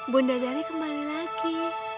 bunda dari kembali lagi